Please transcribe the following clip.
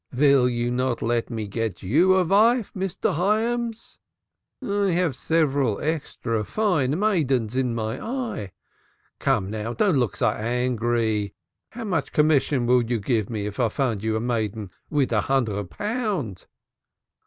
"Vy vill you not let me get you a vife, Mr. Hyams? I have several extra fine maidens in my eye. Come now, don't look so angry. How much commission vill you give me if I find you a maiden vid a hundred pound?"